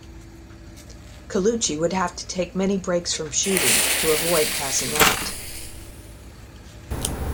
Colucci would have to take many breaks from shooting to avoid passing out.